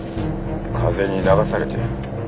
風に流されている。